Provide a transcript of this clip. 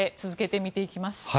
続けて見ていきます。